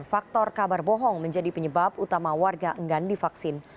faktor kabar bohong menjadi penyebab utama warga enggan divaksin